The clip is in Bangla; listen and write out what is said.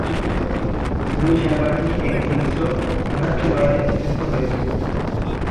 দুই সেনাবাহিনী একটি হিংস্র, হাতাহাতি লড়াইয়ে নিযুক্ত হয়েছিল।